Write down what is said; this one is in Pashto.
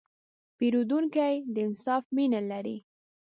پیرودونکی د انصاف مینه لري.